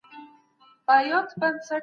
تېر وخت له راتلونکي سره اړیکه لري.